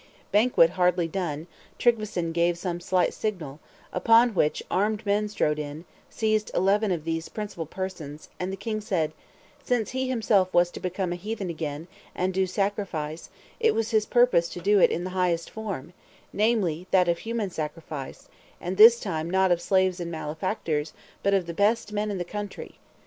Banquet hardly done, Tryggveson gave some slight signal, upon which armed men strode in, seized eleven of these principal persons, and the king said: "Since he himself was to become a heathen again, and do sacrifice, it was his purpose to do it in the highest form, namely, that of Human Sacrifice; and this time not of slaves and malefactors, but of the best men in the country!"